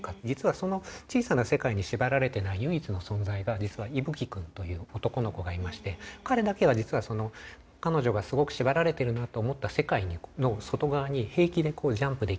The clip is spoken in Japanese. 実はその小さな世界に縛られてない唯一の存在が実は伊吹くんという男の子がいまして彼だけは彼女がすごく縛られているなと思った世界の外側に平気でジャンプできる子。